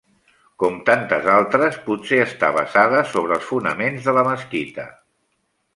Com tantes altres potser està basada sobre els fonaments de la mesquita.